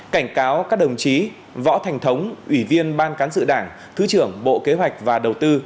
cảnh cáo các đồng chí võ thành thống ủy viên ban cán sự đảng thứ trưởng bộ kế hoạch và đầu tư